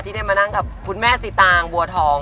ได้มานั่งกับคุณแม่สีตางบัวทอง